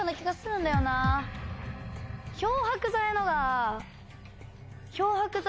漂白剤のが。